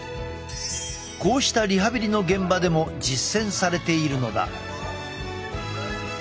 こうしたリハビリの現場でも実践されているのだ。